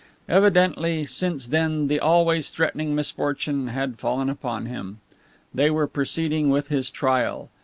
Evidently since then the always threatening misfortune had fallen upon him. They were proceeding with his trial.